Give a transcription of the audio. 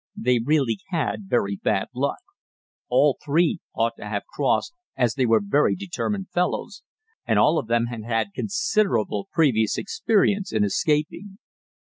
They really had very bad luck. All three ought to have crossed, as they were very determined fellows, and all of them had had considerable previous experience in escaping.